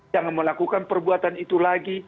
jangan melakukan perbuatan itu lagi